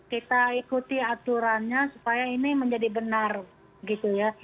kita ikuti aturannya supaya ini menjadi benar gitu ya